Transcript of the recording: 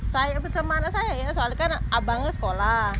saya bersama anak saya ya soalnya kan abangnya sekolah